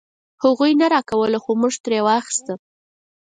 هغوی نه راکوله خو مونږ ترې واخيسته.